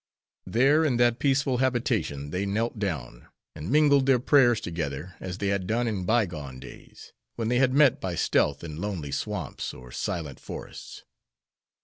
There, in that peaceful habitation, they knelt down, and mingled their prayers together, as they had done in by gone days, when they had met by stealth in lonely swamps or silent forests.